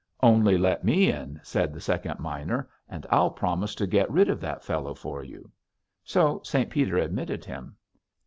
"Only let me in," said the second miner, "and I'll promise to get rid of that fellow for you." So St. Peter admitted him.